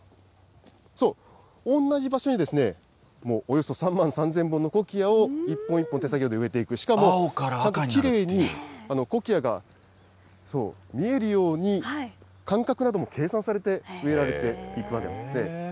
同じ場所におよそ３万３０００本のコキアを一本一本、手作業で植えていく、しかもちゃんときれいにコキアが見えるように、間隔なども計算されて植えられていくわけなんですね。